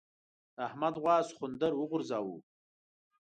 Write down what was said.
د احمد غوا سخوندر وغورځاوو.